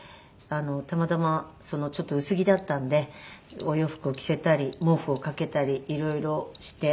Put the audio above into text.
たまたまちょっと薄着だったんでお洋服を着せたり毛布をかけたり色々して。